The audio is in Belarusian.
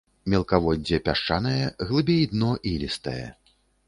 Мелкаводдзе пясчанае, глыбей дно ілістае.